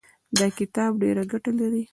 دا کتاب ډېره ګټه لري.